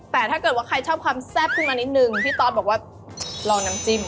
แต่ถ้าเกิดว่าใครชอบความแซ่บขึ้นมานิดนึงพี่ตอสบอกว่าลองน้ำจิ้ม